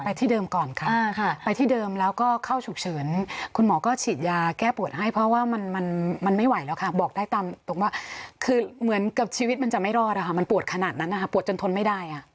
ที่เดิมก่อนค่ะไปที่เดิมแล้วก็เข้าฉุกเฉินคุณหมอก็ฉีดยาแก้ปวดให้เพราะว่ามันไม่ไหวแล้วค่ะบอกได้ตามตรงว่าคือเหมือนกับชีวิตมันจะไม่รอดมันปวดขนาดนั้นนะคะปวดจนทนไม่ได้